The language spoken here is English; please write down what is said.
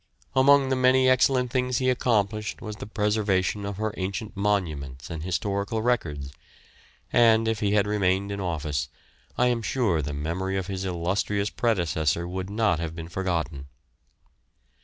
Among the many excellent things he accomplished was the preservation of her ancient monuments and historical records; and, if he had remained in office, I am sure the memory of his illustrious predecessor would not have been forgotten.